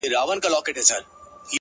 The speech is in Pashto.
زما مرور فکر به څه لفظونه وشرنگوي!